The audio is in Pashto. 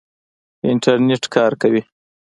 انټرنېټ کار کوي؟